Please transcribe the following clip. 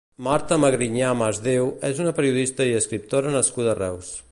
Marta Magrinyà Masdéu és una periodista i escriptora nascuda a Reus.